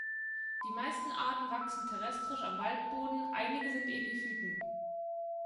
Die meisten Arten wachsen terrestrisch am Waldboden, einige sind Epiphyten.